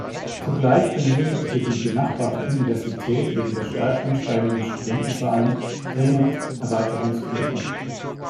Zugleich benötigte die benachbarte Universität, wegen der stark ansteigenden Studentenzahlen dringend Erweiterungsflächen.